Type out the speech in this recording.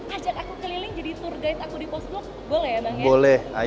ajak aku keliling jadi tour guide aku di post block boleh ya bang ya